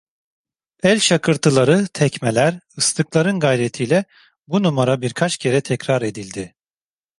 El şakırtıları, tekmeler, ıslıkların gayretiyle bu numara birkaç kere tekrar edildi.